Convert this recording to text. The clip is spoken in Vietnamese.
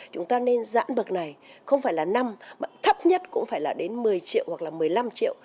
chúng ta nên giãn bậc này không phải là năm mà thấp nhất cũng phải là đến một mươi triệu hoặc là một mươi năm triệu